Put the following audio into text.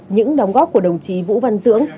những đóng góp của đồng chí vũ văn dưỡng